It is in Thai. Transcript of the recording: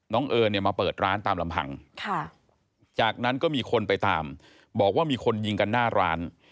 เอิญเนี่ยมาเปิดร้านตามลำพังจากนั้นก็มีคนไปตามบอกว่ามีคนยิงกันหน้าร้าน